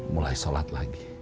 mulai sholat lagi